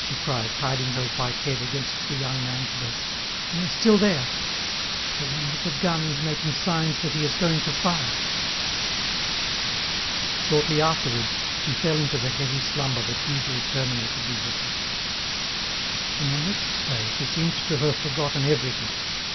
she cried, hiding her white head against the young man's breast. "They are still there. The one with the gun is making signs that he is going to fire." Shortly afterwards she fell into the heavy slumber that usually terminated these attacks. On the next day, she seemed to have forgotten everything.